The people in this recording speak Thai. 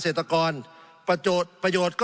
สงบจนจะตายหมดแล้วครับ